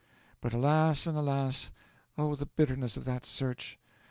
But alas and alas! oh, the bitterness of that search!